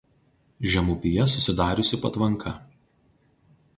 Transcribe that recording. Žemupyje susidariusi patvanka.